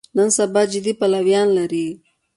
نن سبا جدي پلویان لري.